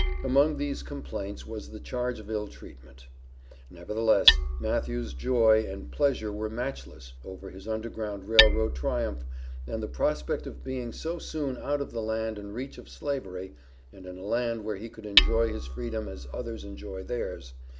Among these complaints was the charge of ill treatment. Nevertheless Matthew's joy and pleasure were matchless over his Underground Rail Road triumph, and the prospect of being so soon out of the land and reach of Slavery, and in a land where he could enjoy his freedom as others enjoyed theirs.